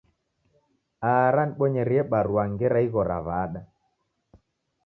Ara nibonyerie barua ngera ighora w'ada.